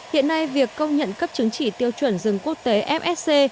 hiện nay việc công nhận cấp chứng chỉ tiêu chuẩn rừng quốc tế fsc